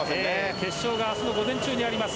決勝が明日の午前中になります